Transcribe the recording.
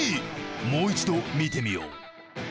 もう一度見てみよう。